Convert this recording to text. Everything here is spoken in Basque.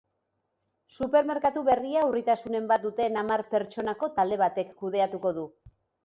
Supermerkatu berria urritasunen bat duten hamar pertsonako talde batek kudeatuko du.